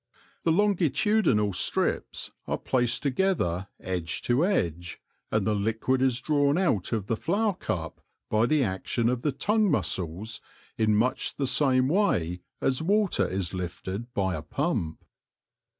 The longitudinal strips are placed together edge to edge, and the liquid is drawn out of the flower cup by the action of the tongue muscles in much the same way as water is lifted by a pump.